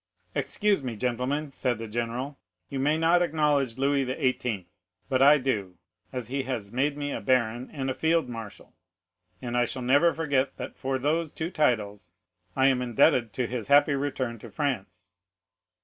"'"Excuse me, gentlemen," said the general; "you may not acknowledge Louis XVIII., but I do, as he has made me a baron and a field marshal, and I shall never forget that for these two titles I am indebted to his happy return to France."